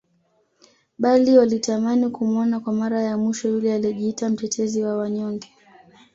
Bali walitamani kumuona kwa Mara ya mwisho yule aliyejiita mtetezi wa wanyonge